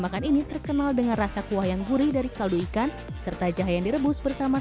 makan ini terkenal dengan rasa kuah yang gurih dari kaldu ikan serta jahe yang direbus bersama